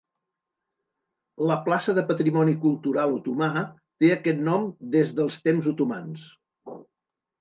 La plaça de patrimoni cultural otomà té aquest nom des dels temps otomans.